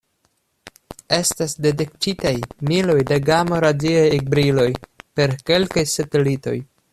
Estas detektitaj miloj de gamo-radiaj ekbriloj per kelkaj satelitoj.